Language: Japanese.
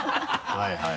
はいはい。